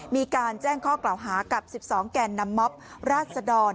มีการแจ้งข้อกล่าวหากับ๑๒แก่นำม็อบราชดร